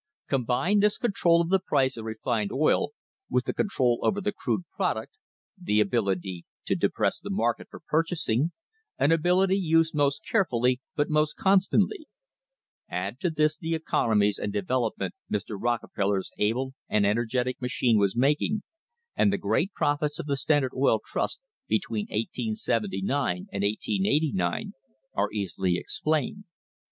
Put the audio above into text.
Combine this control of the price of re fined oil with the control over the crude product, the ability to depress the market for purchasing, an ability used most carefully, but most constantly; add to this the economies and development Mr. Rockefeller's able and energetic machine was making, and the great profits of the Standard Oil Trust between 1879 and 1889 are easily explained.